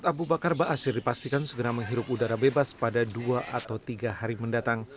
ustadz abu bakar basir dipastikan segera menghirup udara bebas pada dua atau tiga hari mendatang